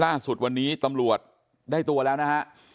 ล่าสุดวันนี้ตำรวจได้ตัวแล้วนะฮะ